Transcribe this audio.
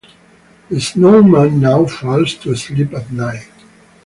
The snowman now falls to sleep at night.